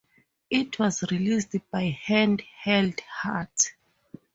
It was released by Hand Held Heart.